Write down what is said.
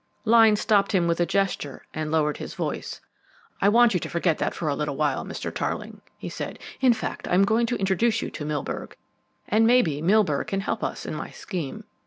Lyne stopped him with a gesture and lowered his voice. "I want you to forget that for a little while, Mr. Tarling," he said. "In fact, I am going to introduce you to Milburgh, and maybe, Milburgh can help us in my scheme.